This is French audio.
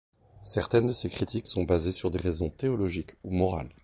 Certaines de ces critiques sont basées sur des raisons théologiques ou morales.